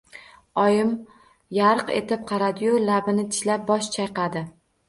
Oyim yarq etib qaradi-yu, labini tishlab bosh chayqadi.